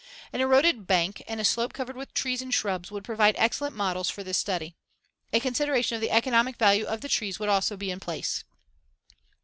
An eroded bank and a slope covered with trees and shrubs would provide excellent models for this study. A consideration of the economic value of the trees would also be in place.